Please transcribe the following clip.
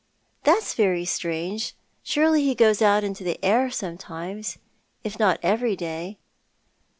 " That's very strange. Surely he goes out into the air some times, if not every day."